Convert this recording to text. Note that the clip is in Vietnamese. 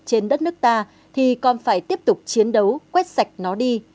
trên đất nước ta thì còn phải tiếp tục chiến đấu quét sạch nó đi